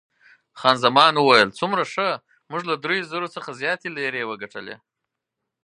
خان زمان وویل، څومره ښه، موږ له دریو زرو څخه زیاتې لیرې وګټلې.